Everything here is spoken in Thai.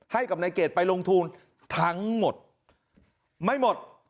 ให้กับนายเกดไปลงทุนทั้งหมดไม่หมด